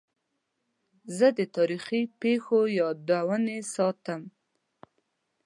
زه د تاریخي پیښو یادونې ساتم.